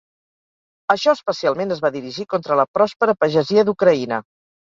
Això especialment es va dirigir contra la pròspera pagesia d'Ucraïna.